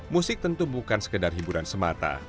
musik tentu bukan sekedar hiburan semata